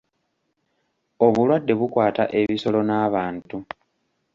Obulwadde bukwata ebisolo n'abantu.